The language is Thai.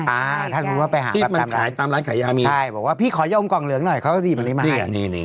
อะถ้ารู้ว่าไปหาแบบตามร้านขายหยามีพี่ขอยาอมกล่องเหลืองหน่อยเขาก็ดีดมันมาก